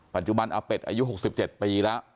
ปัจจุบันอาเปดอายุหกสิบเจ็ดปีแล้ว